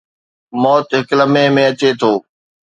موت هڪ لمحي ۾ اچي ٿو.